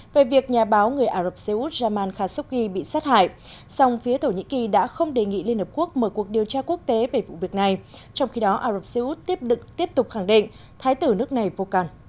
về việc nhà báo người ả rập xê út đã bắt đầu phá hủy một mươi trạm gác tại khu phi quân sự